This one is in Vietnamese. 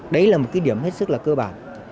đấy là một cái điểm hết sức là cơ bản